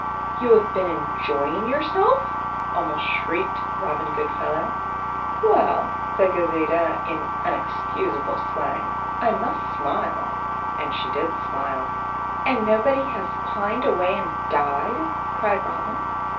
"You have been enjoying yourself?" almost shrieked Robin Goodfellow. "Well," said Gauzita, in unexcusable slang, "I must smile." And she did smile. "And nobody has pined away and died?" cried Robin.